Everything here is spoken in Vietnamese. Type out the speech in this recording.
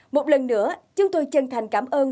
một lần nữa chúng tôi chân thành cảm ơn